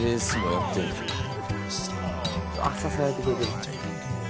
あっささやいてくれてる。